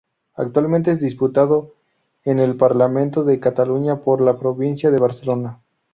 Actualmente es diputado en el Parlamento de Cataluña por la provincia de Barcelona.